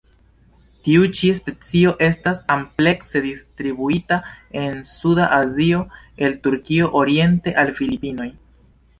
Tiu ĉi specio estas amplekse distribuita en suda Azio el Turkio oriente al Filipinoj.